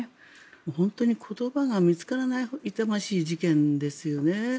本当に言葉が見つからない痛ましい事件ですよね。